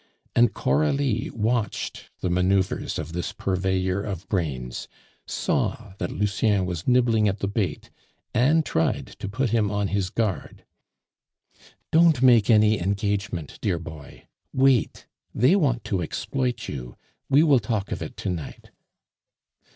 And Coralie watched the manoeuvres of this purveyor of brains, saw that Lucien was nibbling at the bait, and tried to put him on his guard. "Don't make any engagement, dear boy; wait. They want to exploit you; we will talk of it to night."